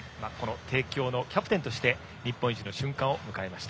帝京のキャプテンとして日本一の瞬間を迎えました。